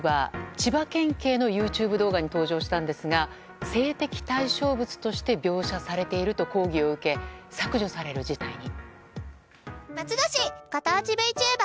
千葉県警のＹｏｕＴｕｂｅ動画に登場したんですが性的対象物として描写されていると抗議を受け削除される事態に。